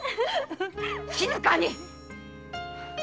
静かに！